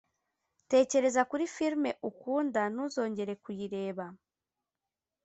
tekereza kuri firime ukunda, ntuzongera kuyireba.